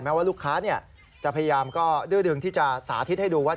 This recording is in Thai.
ว่าลูกค้าจะพยายามก็ดื้อดึงที่จะสาธิตให้ดูว่า